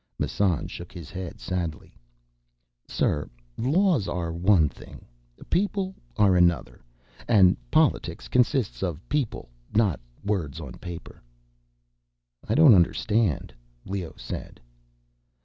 Massan shook his head sadly. "Sir, laws are one thing—people are another. And politics consists of people, not words on paper." "I don't understand," Leoh said.